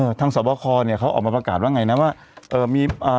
ทางสอบคอเนี้ยเขาออกมาประกาศว่าไงนะว่าเอ่อมีอ่า